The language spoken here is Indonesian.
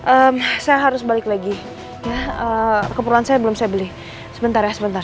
eh saya harus balik lagi ya keperluan saya belum saya beli sebentar sebentar